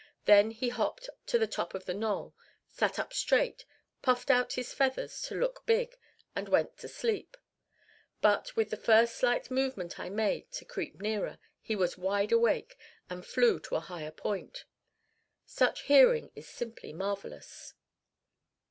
Then he hopped to the top of the knoll, sat up straight, puffed out his feathers to look big, and went to sleep. But with the first slight movement I made to creep nearer, he was wide awake and flew to a higher point. Such hearing is simply marvelous.